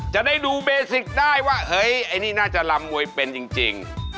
จะได้ดูเบสิกได้ว่าเฮ้ยไอ้นี่น่าจะลำมวยเป็นจริง